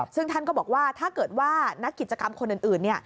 ซึ่งท่านก็บอกว่าถ้าเกิดว่านักกิจกรรมคนอื่น